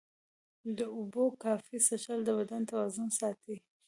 د اوبو کافي څښل د بدن توازن ساتي.